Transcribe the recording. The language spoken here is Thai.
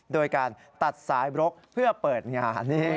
โดยการตัดสายบรกเพื่อเปิดงาน